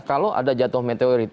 kalau ada jatuh meteorit